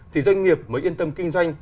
thì doanh nghiệp mới yên tâm kinh doanh